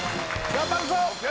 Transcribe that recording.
頑張るぞい！